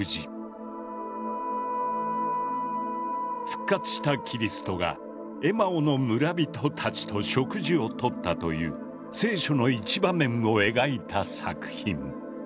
復活したキリストがエマオの村人たちと食事をとったという聖書の一場面を描いた作品。